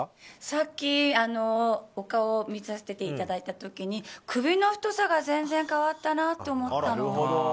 さっき、お顔を見させていただいた時に首の太さが全然変わったなって思ったの。